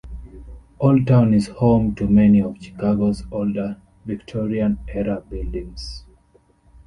Old Town is home to many of Chicago's older, Victorian-era buildings.